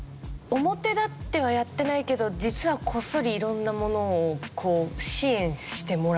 表立ってはやってないけど実はこっそり色んなものを支援してもらっているとか。